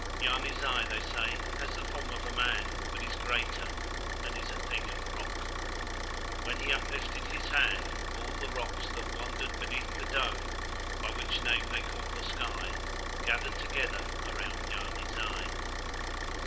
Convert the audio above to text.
Yarni Zai, they say, has the form of a man but is greater and is a thing of rock. When he uplifted his hand all the rocks that wandered beneath the Dome, by which name they call the sky, gathered together around Yarni Zai.